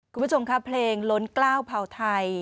คุณผู้ชมครับเพลงล้นกล้าวเผ่าไทย